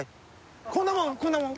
こんなもんこんなもん？